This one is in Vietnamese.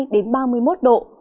đến ba mươi một độ